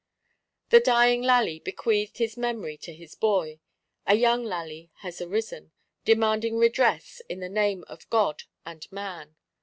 The dying Lally bequeathed his memory to his boy; a young Lally has arisen, demanding redress in the name of God and man.